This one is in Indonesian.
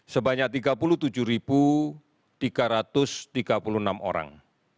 sebanyak tiga puluh tujuh tiga ratus tiga puluh enam orang